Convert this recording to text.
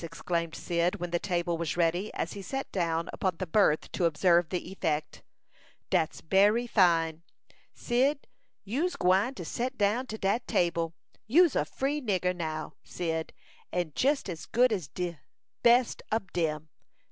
exclaimed Cyd, when the table was ready, as he sat down upon the berth to observe the effect. "Dat's bery fine! Cyd, you'se gwine to set down to dat table. You'se a free nigger, now, Cyd, and jes as good as de best ob dem.